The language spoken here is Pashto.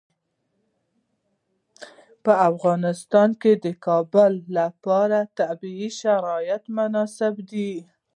په افغانستان کې د کابل لپاره طبیعي شرایط مناسب دي.